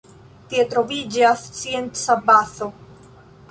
Tie troviĝas scienca bazo.